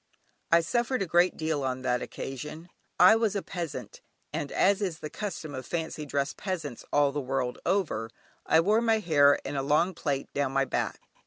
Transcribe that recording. I suffered a great deal on that occasion. I was a peasant, and as is the custom of fancy dress peasants all the world over, I wore my hair in a long plait down my back.